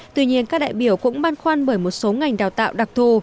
tuy nhiên các đại biểu cũng ban khoan bởi một số ngành đào tạo đặc thù